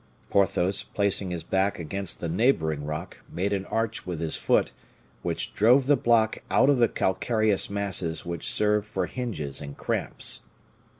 Porthos, placing his back against the neighboring rock, made an arch with his foot, which drove the block out of the calcareous masses which served for hinges and cramps.